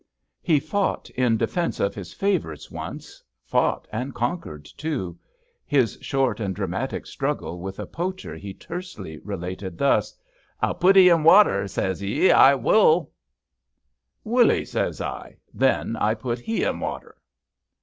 He fought in defence of his favourites once — fought and conquered, too. His short and dramatic struggle with a poacher he tersely related thus —"* I'll putt *ee in waater,' says 'ee, * I wulL' " 46 FINMORE "*Wull 'ee?' says I. Then I put he in waater."